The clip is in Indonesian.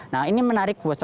nah ini menarik puspa